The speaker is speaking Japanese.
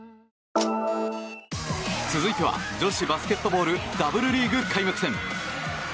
続いては、女子バスケットボールＷリーグ開幕戦。